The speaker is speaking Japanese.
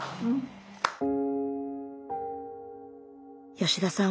吉田さん